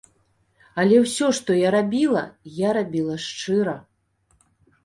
Але ўсё, што я рабіла, я рабіла шчыра.